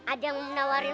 ada yang menawarin